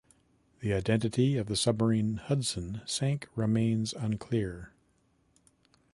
The identity of the submarine "Hudson" sank remains unclear.